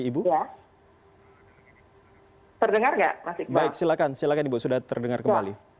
baik silakan silakan ibu sudah terdengar kembali